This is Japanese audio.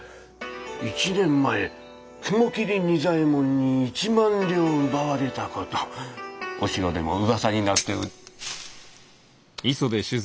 １年前雲霧仁左衛門に１万両奪われた事お城でも噂になって。